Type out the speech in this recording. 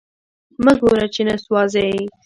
مه ګوره چی نه سوازی